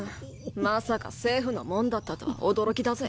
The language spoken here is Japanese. まさか政府のもんだったとは驚きだぜ。